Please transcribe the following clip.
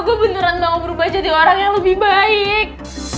gue beneran mau berubah jadi orang yang lebih baik